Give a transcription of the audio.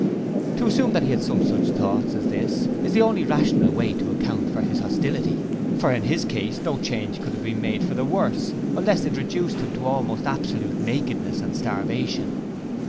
To assume that he had some such thought as this, is the only rational way to account for his hostility, for in his case no change could have been for the worse unless it reduced him to almost absolute nakedness and starvation.